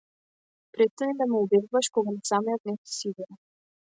Престани да ме убедуваш кога ни самиот не си сигурен.